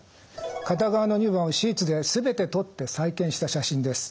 片側の乳房を手術で全て取って再建した写真です。